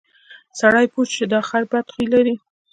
سړي پوه شو چې دا خر بد خوی لري.